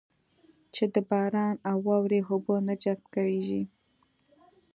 چې د باران او واورې اوبه نه جذب کېږي.